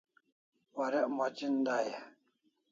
Warek moc en dai e?